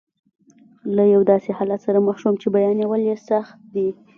له یو داسې حالت سره مخ شوم چې بیانول یې سخت دي.